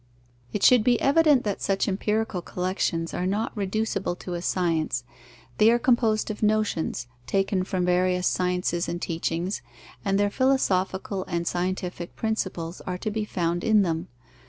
It should be evident that such empirical collections are not reducible to a science. They are composed of notions, taken from various sciences and teachings, and their philosophical and scientific principles are to be found in them.